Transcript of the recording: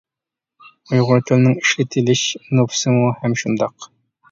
ئۇيغۇر تىلىنىڭ ئىشلىتىلىش نوپۇسىمۇ ھەم شۇنداق.